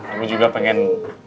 aku juga pengen